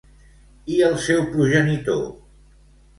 I el seu progenitor?